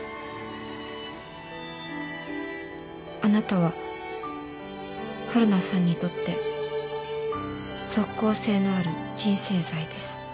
あなたは晴汝さんにとって即効性のある鎮静剤です。